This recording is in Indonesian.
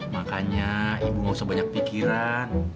makanya ibu gak usah banyak pikiran